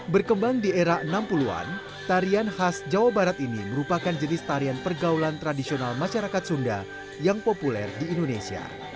berkembang di era enam puluh an tarian khas jawa barat ini merupakan jenis tarian pergaulan tradisional masyarakat sunda yang populer di indonesia